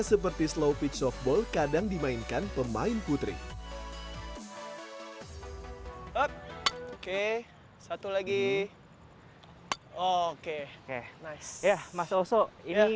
seperti slow pit softball kadang dimainkan pemain putri oke satu lagi oke nah ya mas oso ini